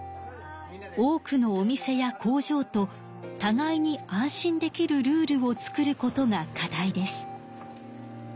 多くのお店や工場とたがいに安心できるルールを作ることが課題です。